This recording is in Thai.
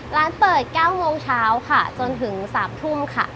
ร้านเปิด๙โมงเช้าค่ะจนถึง๓ทุ่มค่ะ